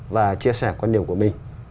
và chia sẻ quan điểm của mình